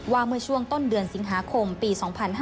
ว่าเมื่อช่วงต้นเดือนสิงหาคมปี๒๕๕๙